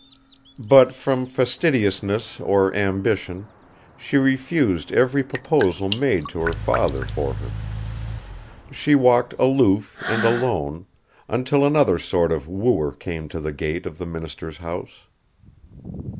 But from fastidiousness or ambition she refused every proposal made to her father for her. She walked aloof and alone, until another sort of wooer came to the gate of the minister's house.